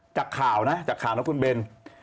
จากข่าวนะจากข่าวนะคุณเบน